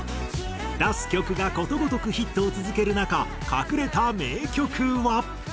出す曲がことごとくヒットを続ける中隠れた名曲は。